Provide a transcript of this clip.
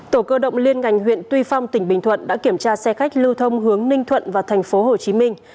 tổ cơ động liên ngành huyện tuy phong tỉnh bình thuận đã kiểm tra xe khách lưu thông hướng ninh thuận và thành phố hồ chí minh